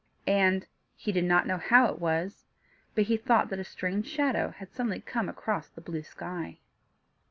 And he did not know how it was, but he thought that a strange shadow had suddenly come across the blue sky.